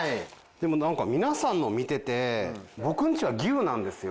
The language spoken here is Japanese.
でもなんか皆さんの見てて僕んちは牛なんですよ。